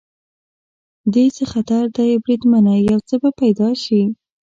دې څه نظر دی بریدمنه؟ یو څه به پیدا شي.